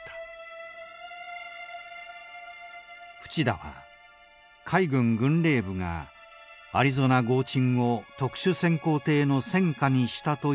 淵田は海軍軍令部がアリゾナ轟沈を特殊潜航艇の戦果にしたというのである。